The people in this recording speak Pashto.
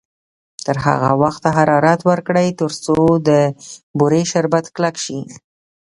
تر هغه وخته حرارت ورکړئ تر څو د بورې شربت کلک شي.